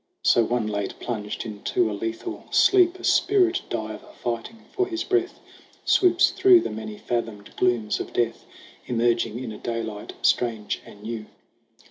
So one late plunged into the lethal sleep, A spirit diver fighting for his breath, Swoops through the many fathomed glooms of death, Emerging in a daylight strange and new.